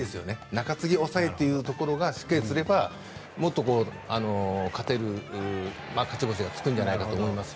中継ぎ、抑えがしっかりすればもっと勝てる勝ち星がつくんじゃないかと思います。